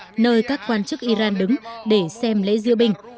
mục tiêu này là vị trí nơi các quan chức iran đứng để xem lễ diễu binh